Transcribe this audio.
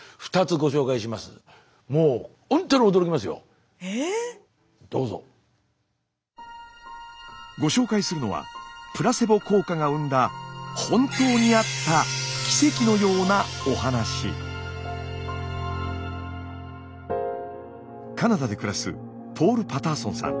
ご紹介するのはプラセボ効果が生んだ本当にあったカナダで暮らすポール・パターソンさん。